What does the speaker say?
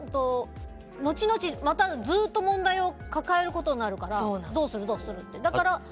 後々またずっと問題を抱えることになるからどうする、どうするって。